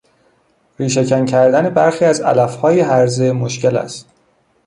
ریشه کن کردن برخی از علفهای هرزه مشکل است.